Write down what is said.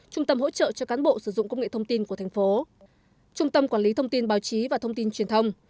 trung tâm hỗ trợ cho cán bộ sử dụng công nghệ thông tin của thành phố trung tâm quản lý thông tin báo chí và thông tin truyền thông